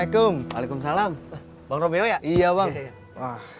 aku bukannya ruang centre pilihan buat wow